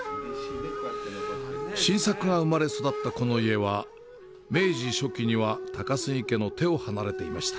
晋作が生まれ育ったこの家は、明治初期には高杉家の手を離れていました。